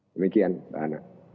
demikian mbak ana